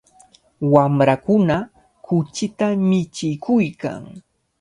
Wamrakuna kuchita michikuykan.